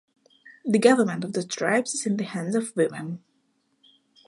The government of the tribes is in the hands of women.